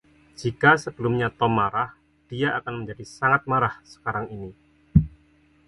Jika sebelumnya Tom marah, dia akan menjadi sangat marah sekarang ini.